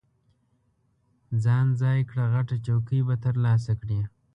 ځان ځای کړه، غټه چوکۍ به ترلاسه کړې.